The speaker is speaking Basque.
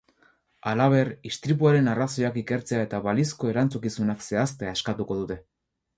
Halaber, istripuaren arrazoiak ikertzea eta balizko erantzukizunak zehaztea eskatu dute.